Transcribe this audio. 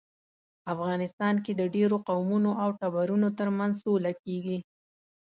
افغانستان کې د ډیرو قومونو او ټبرونو ترمنځ سوله کیږي